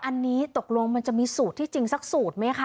อันนี้ตกลงมันจะมีสูตรที่จริงสักสูตรไหมคะ